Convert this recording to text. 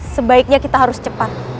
sebaiknya kita harus cepat